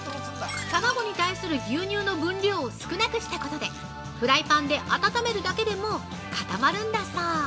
卵に対する牛乳の分量を少なくしたことで、フライパンで温めるだけでも固まるんだそう。